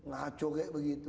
ngaco kayak begitu